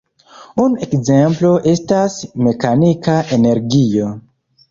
Unu ekzemplo estas mekanika energio.